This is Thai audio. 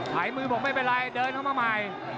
หายมือบอกไม่เป็นไรเดินเข้ามาใหม่